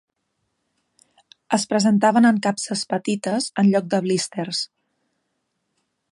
Es presentaven en capses petites en lloc de blísters.